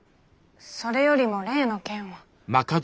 それよりも例の件は。